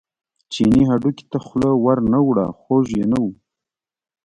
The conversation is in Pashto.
چیني هډوکي ته خوله ور نه وړه خوږ یې نه و.